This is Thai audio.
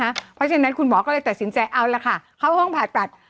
เพราะฉะนั้นคุณหมอก็เลยตัดสินใจเอาละค่ะเข้าห้องผ่าตัด